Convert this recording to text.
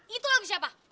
itulah lagu siapa